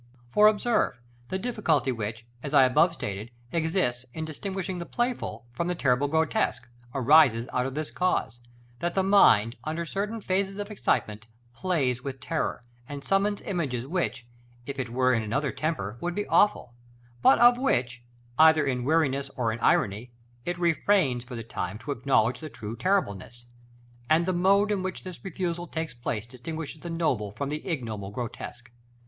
§ XLV. For observe, the difficulty which, as I above stated, exists in distinguishing the playful from the terrible grotesque arises out of this cause; that the mind, under certain phases of excitement, plays with terror, and summons images which, if it were in another temper, would be awful, but of which, either in weariness or in irony, it refrains for the time to acknowledge the true terribleness. And the mode in which this refusal takes place distinguishes the noble from the ignoble grotesque.